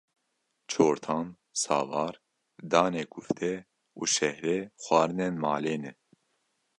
çortan, savar, danê kufte û şehre xwarinên malê ne